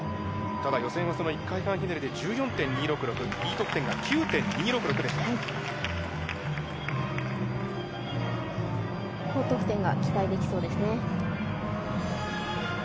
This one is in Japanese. ただ、予選はその１回半ひねりで１４．２６６、Ｅ得点が９．高得点が期待できそうですね。